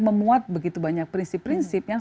memuat begitu banyak prinsip prinsip yang